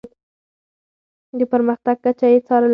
د پرمختګ کچه يې څارله.